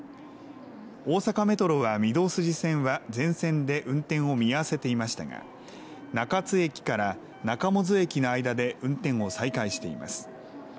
大阪メトロは御堂筋線は全線で運転を見合わせていましたが中津駅から中百舌鳥駅の間で運転を再開しています。